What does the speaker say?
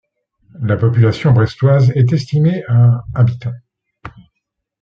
La population brestoise est estimée à habitants.